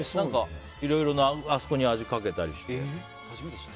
いろいろなあそこに味かけたりして。